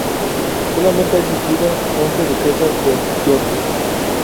Solamente han existido once duquesas de York.